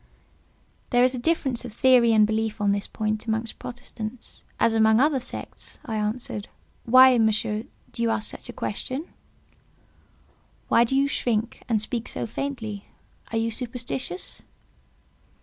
"There is a difference of theory and belief on this point amongst Protestants as amongst other sects," I answered. "Why, Monsieur, do you ask such a question?" "Why do you shrink and speak so faintly? Are you superstitious?"